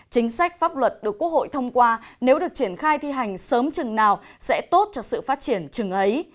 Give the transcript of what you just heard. chính sách pháp luật được quốc hội thông qua nếu được triển khai thi hành sớm chừng nào sẽ tốt cho sự phát triển chừng ấy